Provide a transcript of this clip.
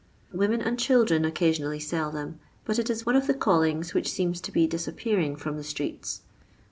Wo men and children occasionally sell them, but it is one of the callings which seems to be disap pearing from the streets.